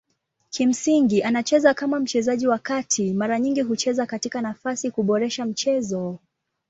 Kimsingi anacheza kama mchezaji wa kati mara nyingi kucheza katika nafasi kuboresha mchezo.